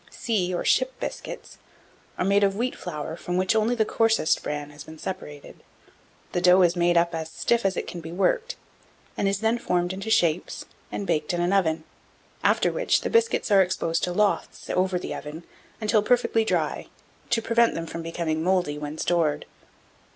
1714. SEA, or SHIP BISCUITS, are made of wheat flour from which only the coarsest bran has been separated. The dough is made up as stiff as it can be worked, and is then formed into shapes, and baked in an oven; after which, the biscuits are exposed in lofts over the oven until perfectly dry, to prevent them from becoming mouldy when stored.